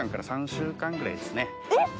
えっ！